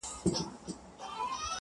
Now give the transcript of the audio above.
o قلم د زلفو يې د هر چا زنده گي ورانوي؛